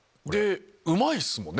うまいっすもんね